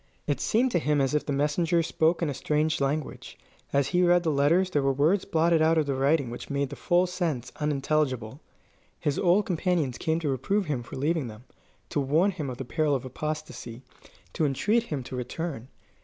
It seemed to him as if the messengers spoke in a strange language. As he read the letters there were words blotted out of the writing which made the full sense unintelligible. His old companions came to reprove him for leaving them, to warn him of the peril of apostasy, to entreat him to return.